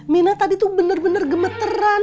mina tadi tuh bener bener gemeteran